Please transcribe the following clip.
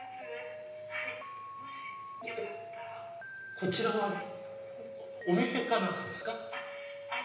こちらはお店か何かですか？